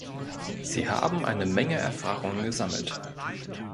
Sie haben eine Menge Erfahrungen gesammelt.